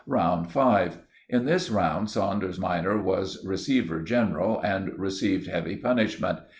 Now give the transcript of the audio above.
"Round 5.—In this round Saunders minor was receiver general, and received heavy punishment.